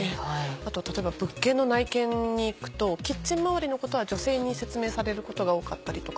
あと例えば物件の内見に行くとキッチン周りのことは女性に説明されることが多かったりとか。